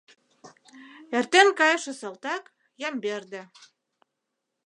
Эртен кайыше салтак — Ямберде.